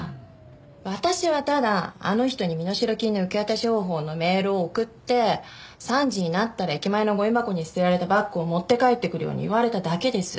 私はただあの人に身代金の受け渡し方法のメールを送って３時になったら駅前のゴミ箱に捨てられたバッグを持って帰ってくるように言われただけです。